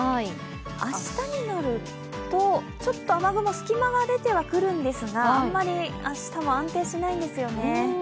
明日になると、ちょっと雨雲隙間が出てはくるんですが、あんまり明日は安定しないんですよね。